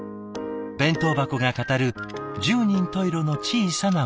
弁当箱が語る十人十色の小さな物語。